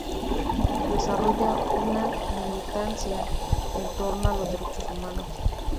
Desarrolla una militancia en torno a los Derechos Humanos.